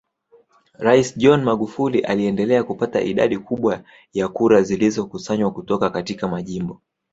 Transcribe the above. Rais John Magufuli aliendelea kupata idadi kubwa ya kura zilizokusanywa kutoka katika majimbo